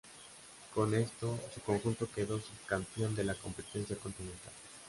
Con esto su conjunto quedó subcampeón de la competencia continental.